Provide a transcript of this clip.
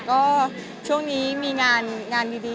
ก็ช่วงนี้มีงานดี